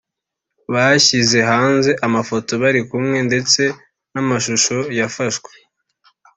Bashyize hanze amafoto bari kumwe ndetse n’amashusho yafashwe